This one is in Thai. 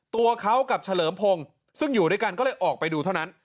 ตัวเขากับเฉลิมพงศ์ซึ่งอยู่ด้วยกันก็เลยออกไปดูเท่านั้น